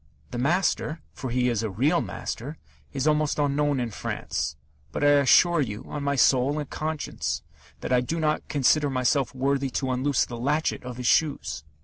The master for he is a real master is almost unknown in France; but I assure you, on my soul and conscience, that I do not consider myself worthy to unloose the latchet of his shoes."